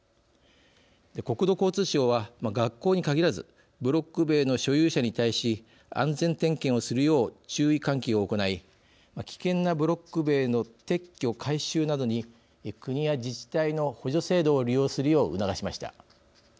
国土交通省は学校に限らずブロック塀の所有者に対し安全点検をするよう注意喚起を行い危険なブロック塀の撤去・改修などに国や自治体の補助制度を利用するよう促しました。